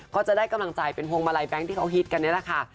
ก็จะได้กำลังใจเป็นพวงมาลัยแบงค์ที่เขาฮิตกันนี่แหละค่ะ